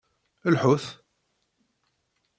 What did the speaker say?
Lḥut!